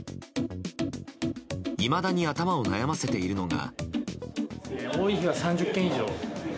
いまだに頭を悩ませているのが。